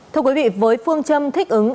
thưa quý vị với phương châm thích ứng